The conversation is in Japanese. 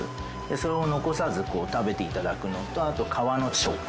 それを残さず食べて頂くのとあと皮の食感。